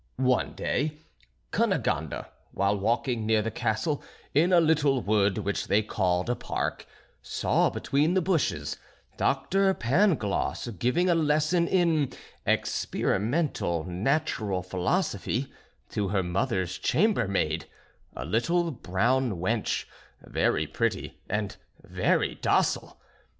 One day Cunegonde, while walking near the castle, in a little wood which they called a park, saw between the bushes, Dr. Pangloss giving a lesson in experimental natural philosophy to her mother's chamber maid, a little brown wench, very pretty and very docile.